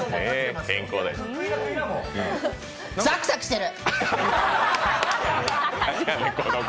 サクサクしてる！